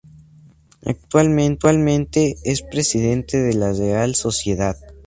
Actualmente, es presidente de la Real Sociedad.